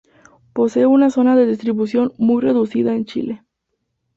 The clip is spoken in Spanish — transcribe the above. Posee una zona de distribución muy reducida en Chile.